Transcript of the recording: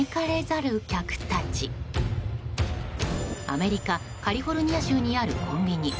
アメリカ・カリフォルニア州にあるコンビニ。